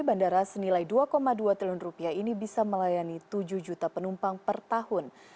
bandara senilai dua dua triliun rupiah ini bisa melayani tujuh juta penumpang per tahun